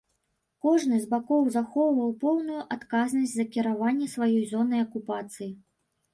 Кожны з бакоў захоўваў поўную адказнасць за кіраванне сваёй зонай акупацыі.